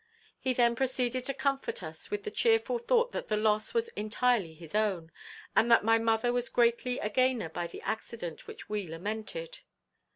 He then proceeded to comfort us with the chearful thought that the loss was entirely our own, and that my mother was greatly a gainer by the accident which we lamented.